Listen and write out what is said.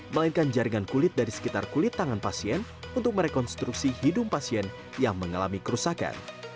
melainkan jaringan kulit dari sekitar kulit tangan pasien untuk merekonstruksi hidung pasien yang mengalami kerusakan